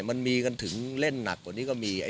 มันมีกันถึงเล่นหนักกว่านี้ก็มี